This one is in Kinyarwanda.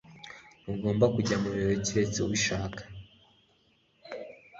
Ntugomba kujya mubirori keretse ubishaka